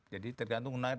jadi tergantung unair